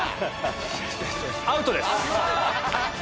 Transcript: アウトです。